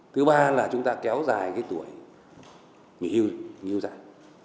thứ ba là chúng ta kéo dài cái tuổi nghỉ hưu nghỉ hưu dài